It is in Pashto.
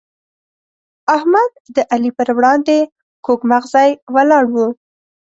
احمد د علي پر وړاندې کوږ مغزی ولاړ وو.